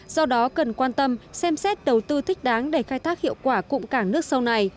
do đó cần quan tâm xem xét đầu tư thích đáng để khai thác hiệu quả cụm cảng nước sâu này